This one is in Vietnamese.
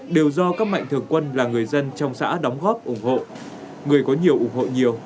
đều do các mạnh thường quân là người dân trong xã đóng góp ủng hộ người có nhiều ủng hộ nhiều